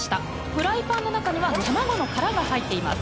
フライパンの中には卵の殻が入っています